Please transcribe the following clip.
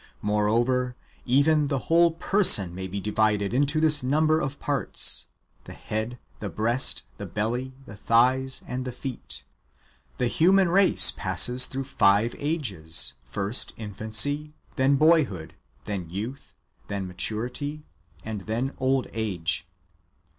Moreover, even the whole person may be divided into this number [of parts], — the head, the breast, the belly, the thighs, and the feet. The human race passes through five ages: first infancy, then boyhood, then youth, then maturity,^ and then old age.